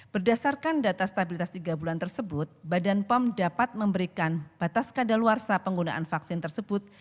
berdasarkan data stabilitas tiga bulan tersebut badan pom dapat memberikan batas kadaluarsa penggunaan vaksin tersebut